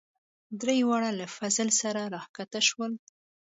دریواړه له فضل سره راکښته شولو.